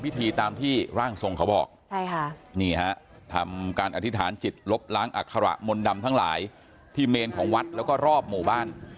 นี่ไฮัทำการอธิษฐานจิตลบล้างอัคฮะระมนต์ดำทั้งหลายทีเมนของวัดแล้วก็รอบหมู่บ้าน